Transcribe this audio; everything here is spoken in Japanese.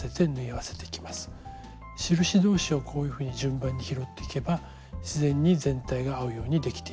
印同士をこういうふうに順番に拾っていけば自然に全体が合うようにできています。